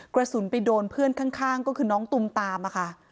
กระสุนไปโดนเพื่อนข้างก็คือน้องตุมตามค่ะ